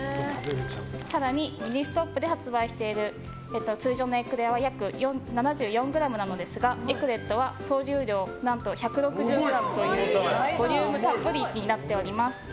更に、ミニストップで発売している通常のエクレアは約７４ｇですがエクレットは、総重量何と１６０ｇというボリュームたっぷりになっております。